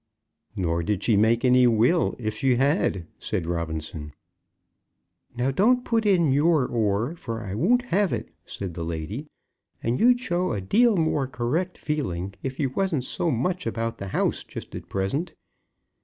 "Nor did she make any will if she had," said Robinson. "Now don't put in your oar, for I won't have it," said the lady. "And you'd show a deal more correct feeling if you wasn't so much about the house just at present.